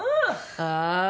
ああ！